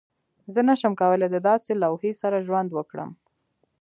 زه نشم کولی د داسې لوحې سره ژوند وکړم